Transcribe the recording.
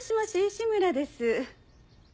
志村です。